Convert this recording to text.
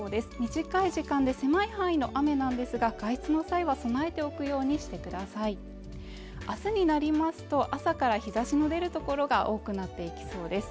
短い時間で狭い範囲の雨なんですが外出の際は備えておくようにしてください明日になりますと朝から日差しの出るところが多くなっていきそうです